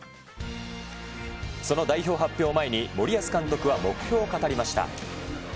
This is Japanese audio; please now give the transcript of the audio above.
その代表発表前に、森保監督は目標を語りました。